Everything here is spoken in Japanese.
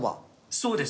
そうです。